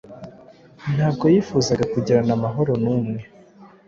Ntabwo yifuzaga kugirana amahoro numwe